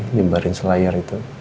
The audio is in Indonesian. nyebarin selayar itu